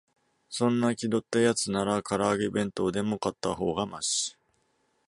そんな気取ったやつなら、から揚げ弁当でも買ったほうがマシ